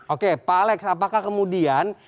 oke pak alex apakah kemudian